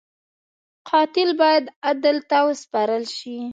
قاتل باید عدل ته وسپارل شي